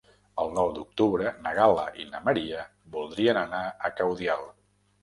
El nou d'octubre na Gal·la i na Maria voldrien anar a Caudiel.